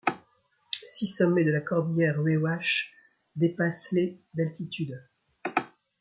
Six sommets de la cordillère Huayhuash dépassent les d'altitude.